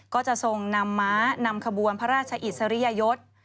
ก็จะทรงนำม้านำขบวนพระราชอิสริยยศ